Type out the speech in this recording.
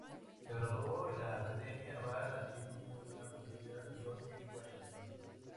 Se graduó en la Academia naval, así como en la Universidad George Washington.